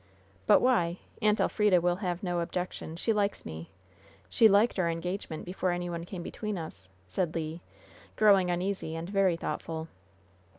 "But why? Aunt Elfrida will have no objection. She likes me. She liked our engagement, before any one came between us," said Le, growing uneasy and very thoughtful.